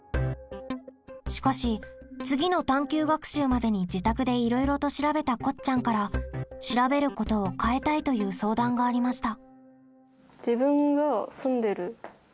しかし次の探究学習までに自宅でいろいろと調べたこっちゃんから「調べること」を変えたいという相談がありました。